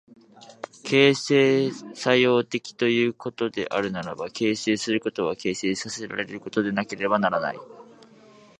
形成作用的ということであるならば、形成することは形成せられることでなければならない。